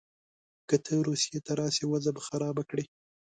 که ته روسیې ته راسې وضع به خرابه کړې.